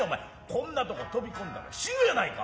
こんなとこ飛び込んだら死ぬやないか。